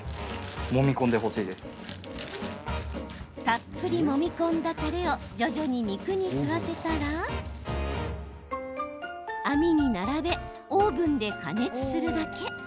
たっぷりもみ込んだたれを徐々に肉に吸わせたら網に並べオーブンで加熱するだけ。